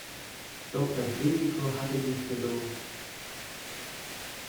Doch das Risiko hatte sich gelohnt.